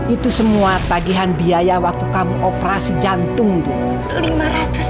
itu semua tagihan biaya waktu kamu operasi jantung bu